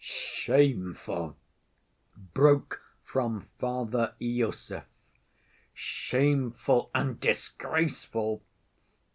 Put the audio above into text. "Shameful!" broke from Father Iosif. "Shameful and disgraceful!"